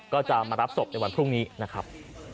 ก็จะมารับศพในวันพรุ่งนี้นะครับ